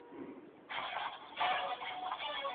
تاسو په خپل ځان هیڅ تمرکز نه کوئ.